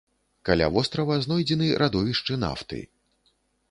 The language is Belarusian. Каля вострава знойдзены радовішчы нафты.